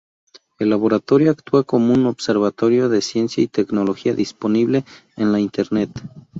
El Laboratorio actúa como un observatorio de ciencia y tecnología disponible en la internet.